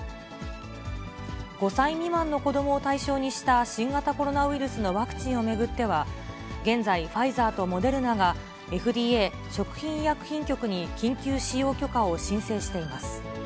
５歳未満の子どもを対象にした新型コロナウイルスのワクチンを巡っては、現在、ファイザーとモデルナが、ＦＤＡ・食品医薬品局に緊急使用許可を申請しています。